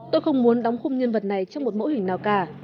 tôi không muốn đóng khung nhân vật này trong một mẫu hình nào cả